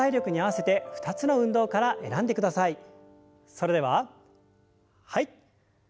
それでははい。